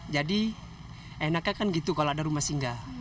jadi enaknya kan gitu kalau ada rumah singga